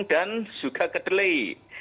dan juga kedelai